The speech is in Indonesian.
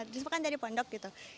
risma kan jadi pondok gitu